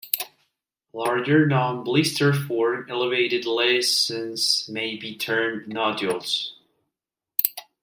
Larger non-blisterform elevated lesions may be termed nodules.